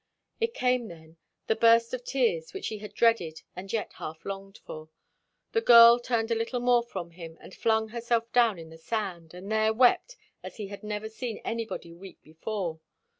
It came then, the burst of tears which he had dreaded and yet half longed for. The girl turned a little more from him and flung herself down on the sand, and there wept as he had never seen anybody weep before.